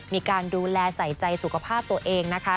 มีการดูแลใส่ใจสุขภาพตัวเองนะคะ